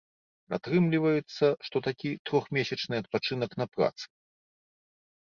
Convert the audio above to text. Атрымліваецца, што такі трохмесячны адпачынак на працы.